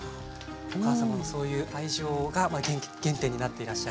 お母様のそういう愛情が原点になっていらっしゃる？